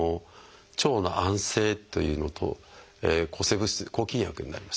腸の安静というのと抗菌薬になりますね。